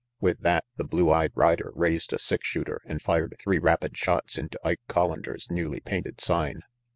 " With that, the blue eyed rider raised a six shooter and fired three rapid shots into Ike Collander's newly painted sign.